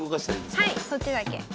はいそっちだけ。